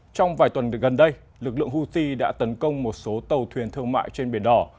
trong vài tuần gần đây lực lượng houthi đã tấn công một số tàu thuyền thương mại trên biển đỏ